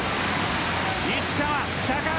石川、高橋